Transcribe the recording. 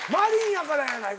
やからやないかい。